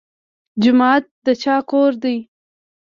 جومات د چا کور دی؟